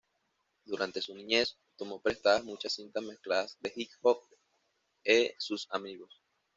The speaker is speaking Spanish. Durante su niñez, tomó prestadas muchas cintas mezcladas de hip hop e sus amigos.